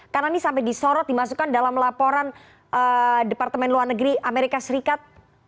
karena ini sampai disorot dimasukkan dalam laporan departemen luar negeri amerika serikat